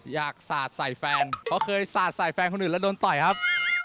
สาดใส่แฟนเพราะเคยสาดใส่แฟนคนอื่นแล้วโดนต่อยครับ